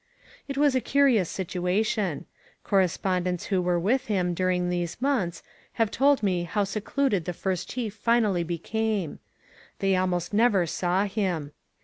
It was a curious situation. Correspondents who were with him during these months have told me how secluded the First Chief finally became. They almost never saw him.